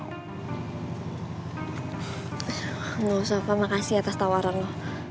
enggak usah pa makasih atas tawaran lo